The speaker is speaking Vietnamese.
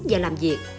và làm việc